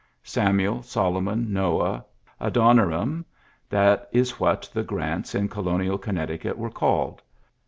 Samuel, Solomon, Foah, Adon QL, that is what the Grants in colonial Innecticut were called.